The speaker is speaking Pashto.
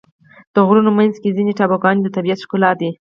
د غرونو منځ کې ځینې ټاپوګان د طبیعت ښکلا دي.